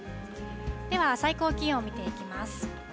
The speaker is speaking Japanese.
では、最高気温を見ていきます。